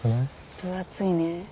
分厚いね。